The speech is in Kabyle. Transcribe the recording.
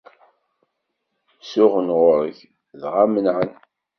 Suɣen ɣur-k, dɣa menɛen.